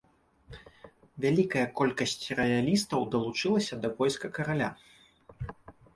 Вялікая колькасць раялістаў далучылася да войска караля.